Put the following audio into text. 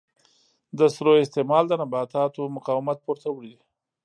د سرو استعمال د نباتاتو مقاومت پورته وړي.